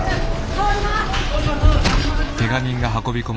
通ります！